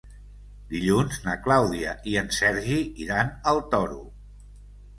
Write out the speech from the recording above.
Dilluns na Clàudia i en Sergi iran al Toro.